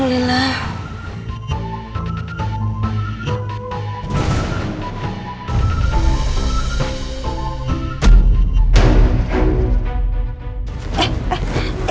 kamu bisa didek damn